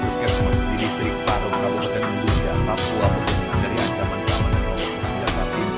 kita sudah bisa mendapatkan pendapatan yang sangat penting